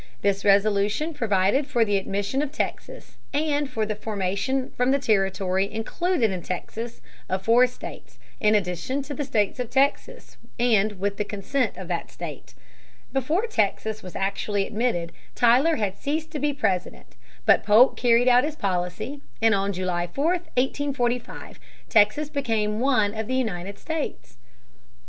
This resolution provided for the admission of Texas, and for the formation from the territory included in Texas of four states, in addition to the state of Texas, and with the consent of that state. Before Texas was actually admitted Tyler had ceased to be President. But Polk carried out his policy, and on July 4, 1845, Texas became one of the United States. [Sidenote: Southern boundary of Texas.